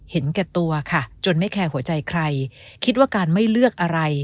เห็นแก่ตัวค่ะจนไม่แคร์หัวใจใครคิดว่าการไม่เลือกอะไร